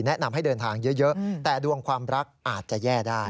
แนะนำให้เดินทางเยอะแต่ดวงความรักอาจจะแย่ได้